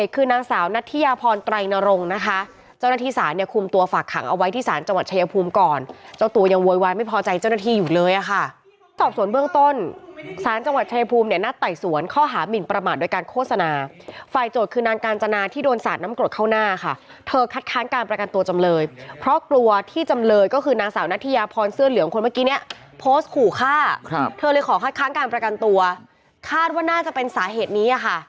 ต้นสารจังหวัดชายภูมิเนี่ยนัดไต่สวนข้อหามินประมาณโดยการโฆษณาไฟล์โจทย์คืนนางกาญจนาที่โดนสาดน้ำกรดเข้าหน้าค่ะเธอคัดค้างการประกันตัวจำเลยเพราะกลัวที่จำเลยก็คือนางสาวนาธิยาพรเสื้อเหลืองคนเมื่อกี้เนี่ยโพสต์ขู่ฆ่าเธอเลยขอคัดค้างการประกันตัวคาดว่าน่าจะเป็นสาเหตุนี้